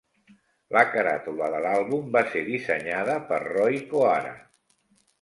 La caràtula de l'àlbum va ser dissenyada per Roy Kohara.